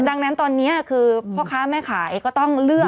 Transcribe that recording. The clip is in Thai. ดังนั้นตอนนี้คือพ่อค้าแม่ขายก็ต้องเลือก